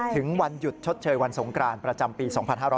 ถึงวันหยุดชดเชยวันสงกรานประจำปี๒๕๕๙